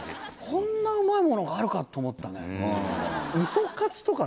こんなうまいものがあるかと思ったね。